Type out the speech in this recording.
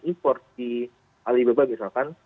impor di alibaba misalkan